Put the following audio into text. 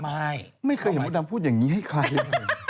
ไม่ไม่เคยเห็นพุทธนัมพูดอย่างนี้ให้ใครเลย